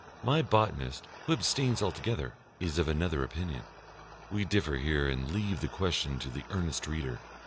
My botanist, who abstains altogether, is of another opinion. We differ here and leave the question to the earnest reader.